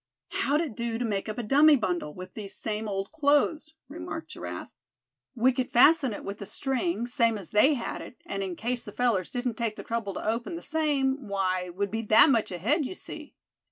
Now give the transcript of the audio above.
"How'd it do to make up a dummy bundle, with these same old clothes," remarked Giraffe. "We could fasten it with the string, same as they had it; and in case the fellers didn't take the trouble to open the same, why, we'd be that much ahead, you see."